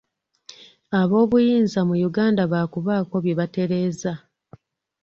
Aboobuyinza mu Uganda baakubaako bye batereeza.